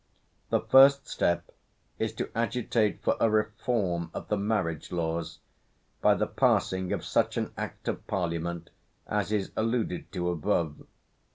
The first step is to agitate for a reform of the marriage laws by the passing of such an Act of Parliament as is alluded to above.